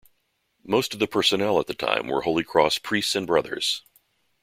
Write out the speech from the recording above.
Most of the personnel at the time were Holy Cross priests and brothers.